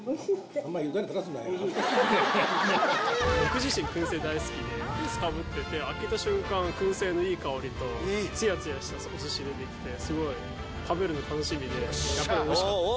あまり、僕自身、くん製大好きで、ケースかぶってて、くん製のいい香りと、つやつやしたお寿司出てきて、すごい食べるの楽しみで、やっぱりおいしかったです。